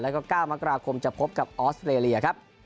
แล้วก็๙มจะพบกับออสเตรเลีย